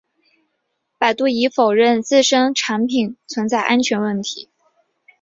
百度已否认自身产品存在安全问题。